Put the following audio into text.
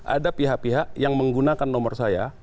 ada pihak pihak yang menggunakan nomor saya